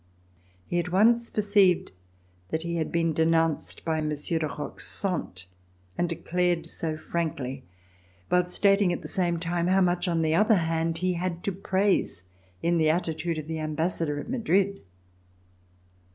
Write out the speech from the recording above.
He at once perceived that he had been denounced by Monsieur de Roquesante and declared so frankly, while stating at the same time, how much, on the other hand, he had to praise in the attitude of the Ambassador at Madrid.